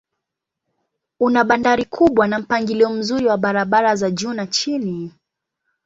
Una bandari kubwa na mpangilio mzuri wa barabara za juu na chini.